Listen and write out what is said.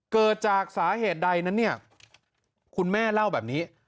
เกิดจากสาเหตุใดคุณแม่เล่าแบบนี้